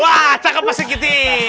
wah tak ke pasik gt